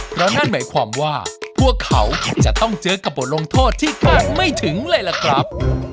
เพราะนั่นหมายความว่าพวกเขาจะต้องเจอกับบทลงโทษที่คาดไม่ถึงเลยล่ะครับ